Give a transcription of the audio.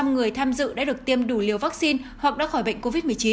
một mươi người tham dự đã được tiêm đủ liều vaccine hoặc đã khỏi bệnh covid một mươi chín